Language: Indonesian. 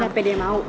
sampai dia mau